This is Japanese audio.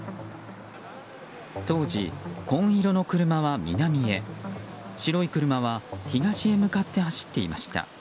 当時、紺色の車は南へ白い車は東へ向かって走っていました。